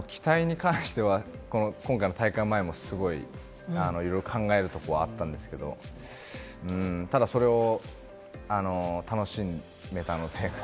期待に関しては今回の大会前もすごい、いろいろ考えるところはあったんですけれども、ただ、それを楽しめたので。